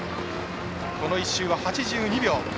この１周は８２秒。